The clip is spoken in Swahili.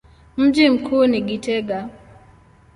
Mji mkuu ni Gitega.